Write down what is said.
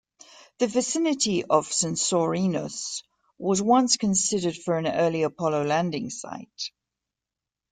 The vicinity of Censorinus was once considered for an early Apollo landing site.